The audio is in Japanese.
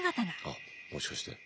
あっもしかして。